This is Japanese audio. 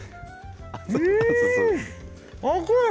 熱い！